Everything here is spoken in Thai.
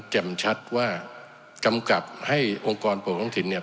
ชัดว่ากำกับให้องค์กรปกครองท้องถิ่นเนี่ย